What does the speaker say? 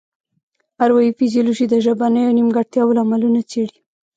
اروايي فزیولوژي د ژبنیو نیمګړتیاوو لاملونه څیړي